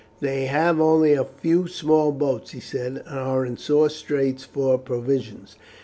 "They have only a few small boats," he said, "and are in sore straits for provisions.